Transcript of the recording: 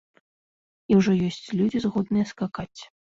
І ўжо ёсць людзі, згодныя скакаць.